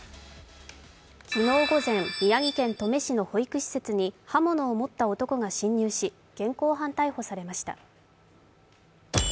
昨日午前宮城県登米市の保育施設に刃物を持った男が侵入し、現行犯逮捕されました。